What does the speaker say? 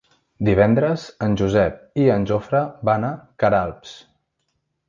Divendres en Josep i en Jofre van a Queralbs.